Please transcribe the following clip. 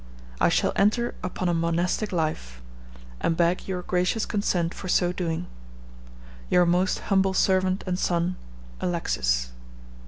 I shall enter upon a monastic life, and beg your gracious consent for so doing. "Your most humble servant and son, "ALEXIS."